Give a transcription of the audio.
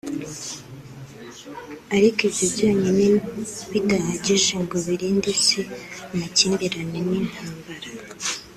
ariko ibyo byonyine bidahagije ngo birinde isi amakimbirane n’intambara